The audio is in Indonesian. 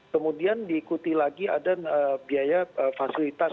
kemudian diikuti lagi ada biaya fasilitas